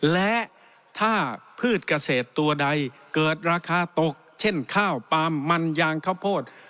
และถ้าพืชเกษตรตัวใดเกิดราคาตกเช่นข้าวปาล์มมันยางข้าวโพด